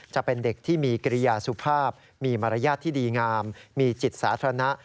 จะเป็นเด็กที่มีกิริยาสุภาพมีมารยาทที่ดีงามมีจิตสาธารณะ